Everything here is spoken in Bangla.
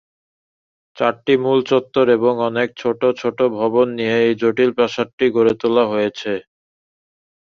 চারটি মূল চত্বর এবং অনেক ছোট ছোট ভবন নিয়ে এই জটিল প্রাসাদটি গড়ে তোলা হয়েছে।